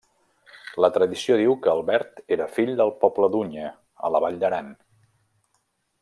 La tradició diu que Albert era fill del poble d'Unha, a la Vall d'Aran.